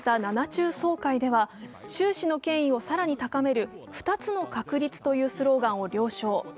７中総会では習氏の権威を更に高める「２つの確立」というスローガンを了承。